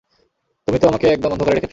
তুমি তো আমাকে একদম অন্ধকারে রেখেছ!